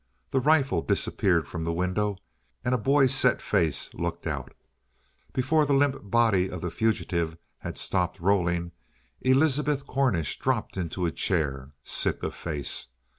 The rifle disappeared from the window and a boy's set face looked out. But before the limp body of the fugitive had stopped rolling, Elizabeth Cornish dropped into a chair, sick of face.